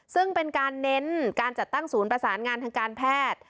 ซึ่งเป็นการเน้นการจัดตั้งศูนย์ประสานงานทางการแพทย์